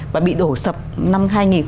và bị đổ sập năm hai nghìn một mươi